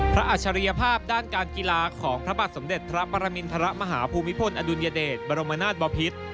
อัจฉริยภาพด้านการกีฬาของพระบาทสมเด็จพระปรมินทรมาฮภูมิพลอดุลยเดชบรมนาศบอพิษ